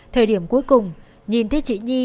thời điểm cuối cùng nhìn thấy chị nhi